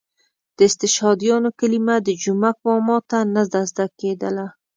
د استشهادیانو کلمه د جومک ماما ته نه زده کېدله.